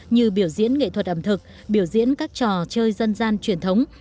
như biểu diễn nghệ thuật ẩm thực biểu diễn các trò chơi dân gian truyền thống